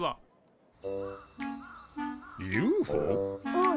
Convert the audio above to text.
うん。